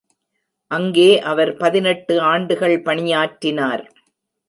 அங்கே அவர் பதினெட்டு ஆண்டுகள் பணியாற்றினார்.